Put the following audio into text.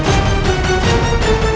siapa orang itu